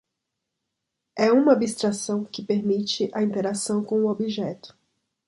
é uma abstração que permite a interação com o objeto